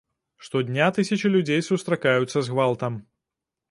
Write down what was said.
Штодня тысячы людзей сустракаюцца з гвалтам.